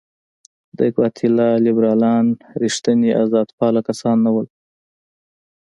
د ګواتیلا لیبرالان رښتیني آزادپاله کسان نه وو.